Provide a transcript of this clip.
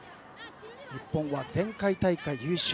日本は前回大会優勝。